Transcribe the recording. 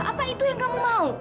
apa itu yang kamu mau